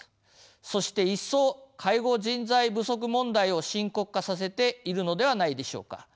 そして一層介護人材不足問題を深刻化させているのではないでしょうか。